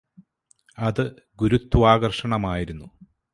അത് ഗുരുത്വാകർഷണമായിരുന്നു